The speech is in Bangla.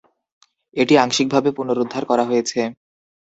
এটি আংশিকভাবে পুনরুদ্ধার করা হয়েছে।